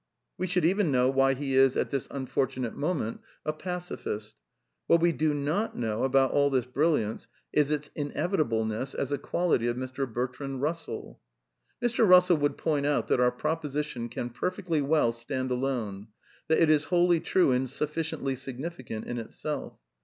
We should even know why he is, at this unfortunate mo ment, a pacifist. What we do not know about all this bril liance is its inevitableness as a quality of Mr. Bertrand Bussell. Mr. Bussell would point out that our proposition can perfectly well stand alone ; that it is wholly true and suf ficiently significant in itself.